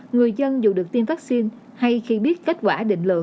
người dân dù được tiêm vaccine hay khi biết kết quả định lượng